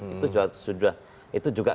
itu juga keputusan lembaga